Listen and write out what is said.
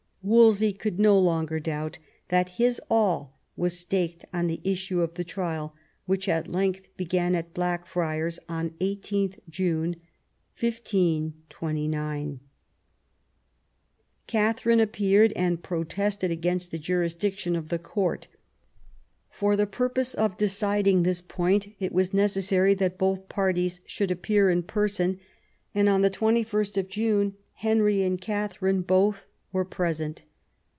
Wolsey could no longer doubt that his all was staked on the issue of the trial, which at length began at Blackfriars on 18th June 1529. Katharine appeared, and protested against the jurisdiction of the court. For the purpose of deciding this point it was necessary that both parties should appear in person ; and on 21st June Henry and Katharine both were present.